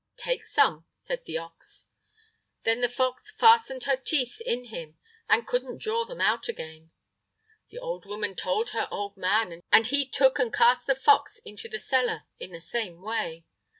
"Take some," said the ox. Then the fox fastened her teeth in him and couldn't draw them out again. The old woman told her old man, and he took and cast the fox into the cellar in the same way.